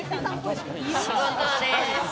仕事です。